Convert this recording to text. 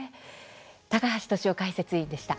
高橋俊雄解説委員でした。